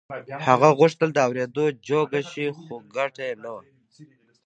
هغه غوښتل د اورېدو جوګه شي خو ګټه يې نه وه.